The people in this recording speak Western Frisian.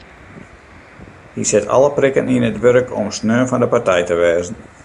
Hy set alle prikken yn it wurk om sneon fan de partij te wêze.